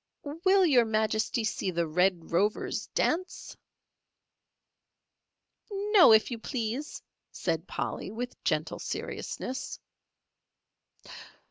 "Will Your Majesty see the Red Rover's dance?" "No, if you please," said Polly, with gentle seriousness.